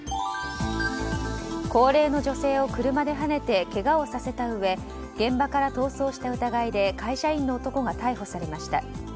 高齢の女性を車ではねてけがをさせたうえ現場から逃走した疑いで会社員の男が逮捕されました。